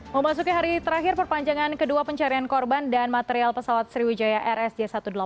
memasuki hari terakhir perpanjangan kedua pencarian korban dan material pesawat sriwijaya rsj satu ratus delapan puluh